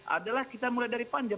adalah kita mulai dari panjang